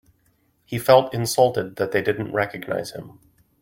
He felt insulted that they didn't recognise him.